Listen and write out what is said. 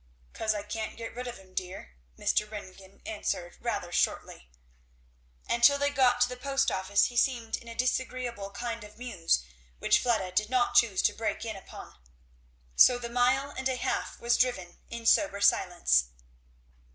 "'Cause I can't get rid of him, dear," Mr. Ringgan answered rather shortly. And till they got to the post office he seemed in a disagreeable kind of muse, which Fleda did not choose to break in upon. So the mile and a half was driven in sober silence.